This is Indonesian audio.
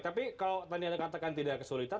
tapi kalau tadi anda katakan tidak kesulitan